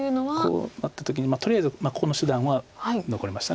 こうなった時にとりあえずここの手段は残りました。